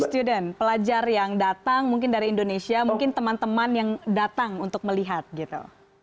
mas student pelajar yang datang mungkin dari indonesia mungkin teman teman yang datang untuk melihat gitu